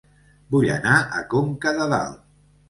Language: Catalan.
Vull anar a Conca de Dalt